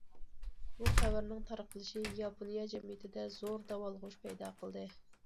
بۇ خەۋەرنىڭ تارقىلىشى ياپونىيە جەمئىيىتىدە زور داۋالغۇش پەيدا قىلدى.